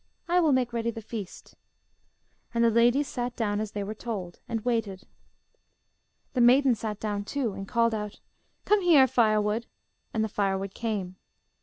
I will make ready the feast.' And the ladies sat down as they were told, and waited. The maiden sat down too, and called out, 'Come here, firewood,' and the firewood came.